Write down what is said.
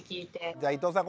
じゃあ伊藤さん